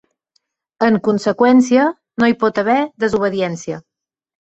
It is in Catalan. En conseqüència, ‘no hi pot haver desobediència’.